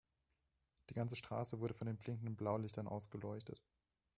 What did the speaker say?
Die ganze Straße wurde von den blinkenden Blaulichtern ausgeleuchtet.